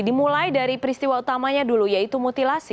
dimulai dari peristiwa utamanya dulu yaitu mutilasi